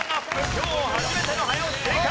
今日初めての早押し正解！